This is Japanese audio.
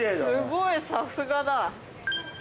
すごいさすがだ。